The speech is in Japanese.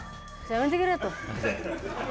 やめてくれと。